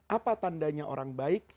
apa tandanya orang baik